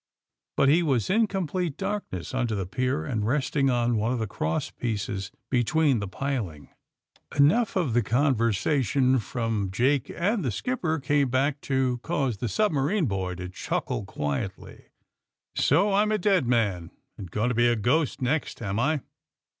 But he was in complete darkness under the pier, and resting on one of the cross pieces between the piling. AND THE SMUGGLEES 69 Enough of the conversation from Jake and the skipper came back to cause the submarine boy to chuckle quietly. ^*So I^m a dead man. and going to be a ghost next, am I!"